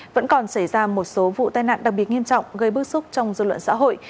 vẫn còn xảy ra một số vụ tai nạn đặc biệt nghiêm trọng gây bức xúc trong dư luận xã hội